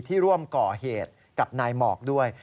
ร่วมก่อเหตุกับนายหมอกด้วย